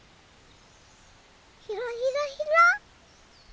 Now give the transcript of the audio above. ひらひらひら。